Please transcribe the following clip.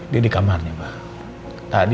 dia di kamarnya mas